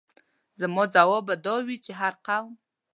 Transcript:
زما ځواب به دا وي چې هر قوم.